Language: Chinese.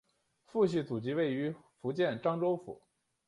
父系祖籍位于福建漳州府。